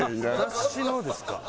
雑誌のですか。